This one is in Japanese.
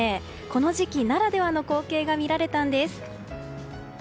この時期ならではの光景が見られたんです。